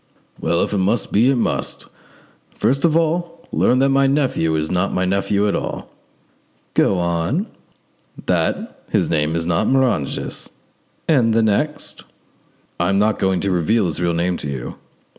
"Well, if it must be, it must. First of all, learn that my nephew is not my nephew at all." "Go on." "That his name is not Moranges." "And the next?" "I am not going to reveal his real name to you."